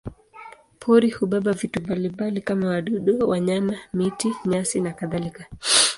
Pori hubeba vitu mbalimbali kama wadudu, wanyama, miti, nyasi nakadhalika.